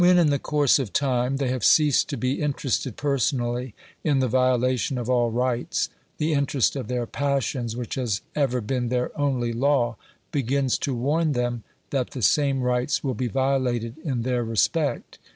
When, in the course of time, they have ceased to be interested personally in the violation of all rights, the interest of their passions, which has ever been their only law, begins to warn them that the same rights will be violated in their respect.